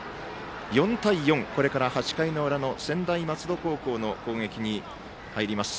４対４これから８回の裏の専大松戸高校の攻撃に入ります。